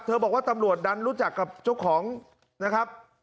บอกว่าตำรวจดันรู้จักกับเจ้าของนะครับ